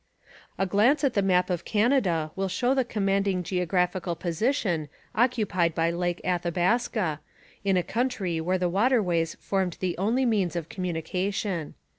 A glance at the map of Canada will show the commanding geographical position occupied by Lake Athabaska, in a country where the waterways formed the only means of communication.